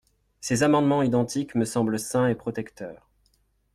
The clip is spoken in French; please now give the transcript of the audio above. Ces amendements identiques me semblent sains et protecteurs.